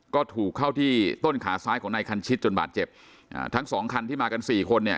ก็ถูกเข้าที่ต้นขาซ้ายของนายคันชิดจนบาดเจ็บอ่าทั้งสองคันที่มากันสี่คนเนี่ย